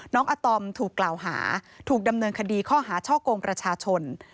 อาตอมถูกกล่าวหาถูกดำเนินคดีข้อหาช่อกงประชาชน